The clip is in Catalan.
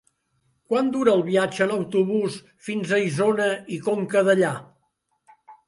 Quant dura el viatge en autobús fins a Isona i Conca Dellà?